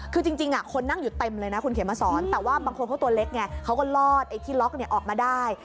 คือจริงคนนั่งอยู่เต็มเลยนะคุณเขียนมาสอนแต่ว่าบางคนเขาตัวเล็กไงเขาก็ลอดไอ้ที่ล็อกออกมาได้